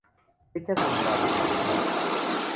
Fechas memorables.